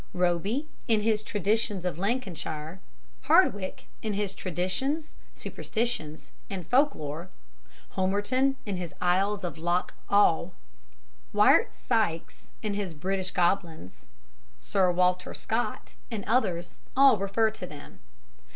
Roby, in his Traditions of Lancashire; Hardwick, in his Traditions, Superstitions, and Folk lore; Homerton, in his Isles of Loch Awe; Wirt Sykes, in his British Goblins; Sir Walter Scott, and others, all refer to them.